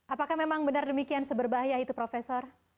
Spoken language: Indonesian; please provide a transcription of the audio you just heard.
apakah memang benar demikian seberbahaya itu profesor